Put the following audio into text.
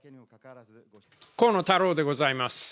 河野太郎でございます。